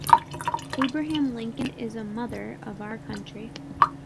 Abraham Lincoln is a 'mother' of our country.